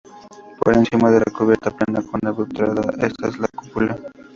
Por encima de la cubierta plana con balaustrada está la cúpula.